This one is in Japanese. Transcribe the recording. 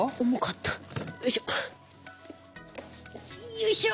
よいしょ。